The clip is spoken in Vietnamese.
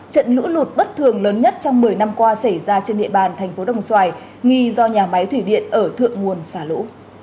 trận lũ lụt bất thường lớn nhất trong một mươi năm qua xảy ra trên địa bàn thành phố đồng xoài nghi do nhà máy thủy điện ở thượng nguồn xả lũ